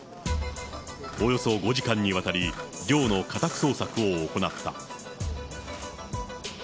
およそ５時間にわたり、寮の家宅捜索を行った。